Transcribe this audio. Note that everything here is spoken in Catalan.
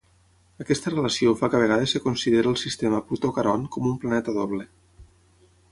Aquesta relació fa que a vegades es consideri el sistema Plutó-Caront com un planeta doble.